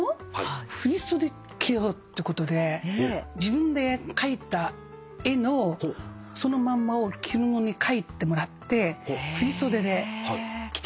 振り袖着ようってことで自分で描いた絵のそのまんまを着物に描いてもらって振り袖で着てきました。